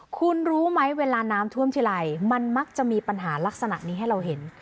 คุณรู้ไหมเวลาน้ำท่วมทีไรมันมักจะมีปัญหาลักษณะนี้ให้เราเห็น